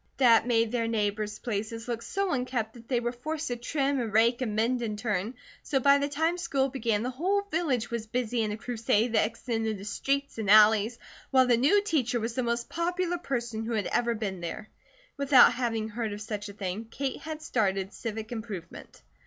That made their neighbours' places look so unkempt that they were forced to trim, and rake, and mend in turn, so by the time the school began, the whole village was busy in a crusade that extended to streets and alleys, while the new teacher was the most popular person who had ever been there. Without having heard of such a thing, Kate had started Civic Improvement.